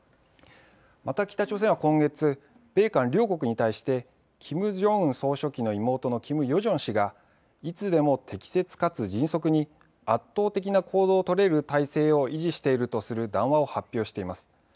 また北朝鮮は今月、米韓両国に対してキム・ジョンウン総書記の妹のキム・ヨジョン氏がいつでも適切かつ迅速に圧倒的な行動を取れる態勢を維持しているとする談話を発表しています。